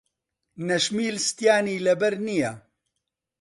نەشمیل ستیانی لەبەر نییە.